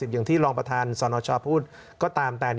อย่างที่รองประธานสนชพูดก็ตามแต่